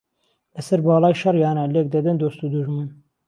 له سهر باڵای شهڕیانه لێک دهدهن دۆست و دوژمن